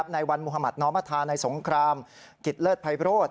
ในวันมหมาตนอมภาษณ์ในสงครามกิจเลิศภัยโปรด